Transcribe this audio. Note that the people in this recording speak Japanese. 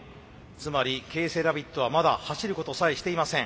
つまりＫセラビットはまだ走ることさえしていません。